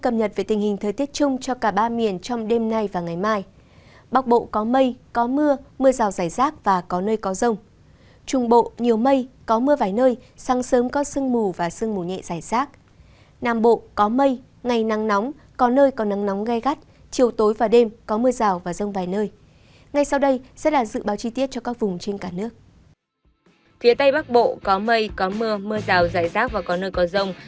phía tây bắc bộ có mây có mưa mưa rào dài rác và có nơi có rông